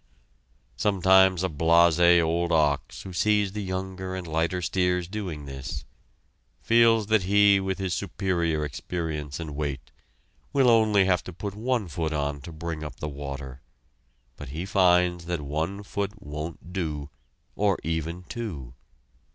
Sometimes a blasé old ox who sees the younger and lighter steers doing this, feels that he with his superior experience and weight will only have to put one foot on to bring up the water, but he finds that one foot won't do, or even two.